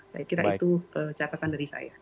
saya kira itu catatan dari saya